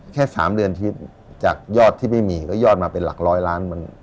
แค่๓เดือนทีจากยอดที่ไม่มีก็ยอดมาเป็นหลักร้อยล้าน